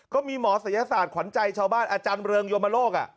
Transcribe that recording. ก็มีหมอศัยศาสตร์ขวัญใจชาวบ้านอาจารย์เริงยมโลก